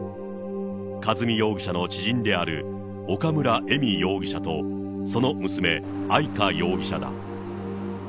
和美容疑者の知人である岡村恵美容疑者と、その娘、愛香容疑者だ。